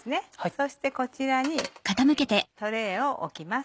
そしてこちらにトレーを置きます。